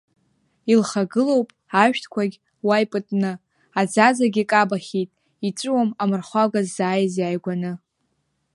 Илхагылоуп ашәҭқәагь уа ипытны, аӡаӡагьы кабахьеит, иҵәуом амырхәага ззааиз иааигәаны.